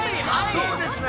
そうですね！